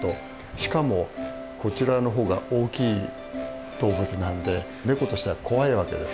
しかもこちらの方が大きい動物なんでネコとしては怖いわけです。